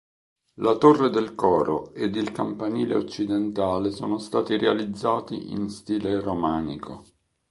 La torre del coro ed il campanile occidentale sono stati realizzati in stile romanico.